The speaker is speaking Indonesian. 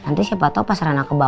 nanti siapa tau pas rena kembali